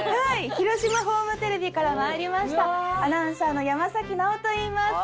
広島ホームテレビからまいりましたアナウンサーの山菜緒といいますはい。